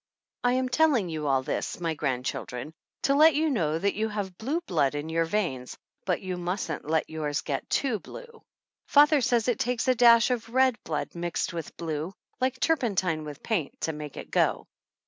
I am telling you all this, my grandchildren, to let you know that you have blue blood in your veins, but you mustn't let yours get too blue. Father says it takes a dash of red blood mixed with blue, like turpentine with paint, to make it go.